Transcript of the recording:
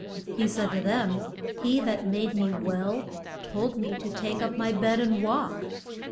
He said to them, he that made me well told me to take up my bed and walk.